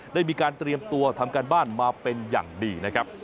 ได้มีการเตรียมตัวทำการบ้านมาเป็นอย่างดีนะครับ